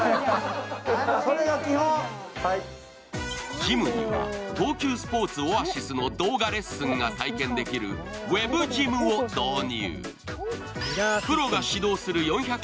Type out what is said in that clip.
ジムには東急スポーツオアシスの動画レッスンが体験できるＷＥＢＧＹＭを導入。